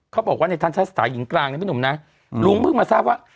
เขาบอกว่าในทันทะสถานหญิงกลางนะพี่หนุ่มนะลุงเพิ่งมาทราบว่า